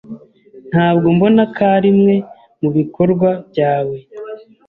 Ntabwo mbona ko arimwe mubikorwa byawe.